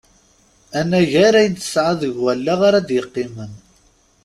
Anagar ayen tesɛa deg wallaɣ ara d-yeqqimen.